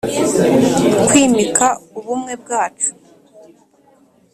kwimika ubumwe bwacu